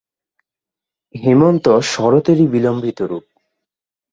হেমন্ত শরতেরই বিলম্বিত রূপ।